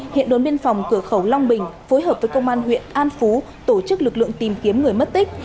hiện đồn biên phòng cửa khẩu long bình phối hợp với công an huyện an phú tổ chức lực lượng tìm kiếm người mất tích